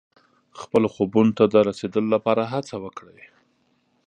خپلو خوبونو ته د رسیدو لپاره هڅه وکړئ.